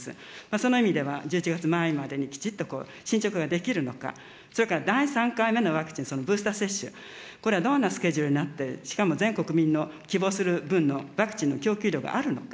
その意味では、１１月末までにきちっと進捗ができるのか、それから第３回目のワクチン、ブースター接種、これはどんなスケジュールになって、しかも全国民の希望する分のワクチンの供給量があるのか。